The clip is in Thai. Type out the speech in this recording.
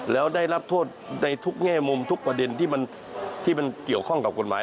แล้วได้รับโทษในทุกแง่มุมทุกประเด็นที่มันเกี่ยวข้องกับกฎหมาย